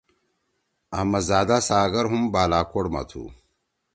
احمدزادہ ساگر ہُم بالاکوٹ ما تُھو۔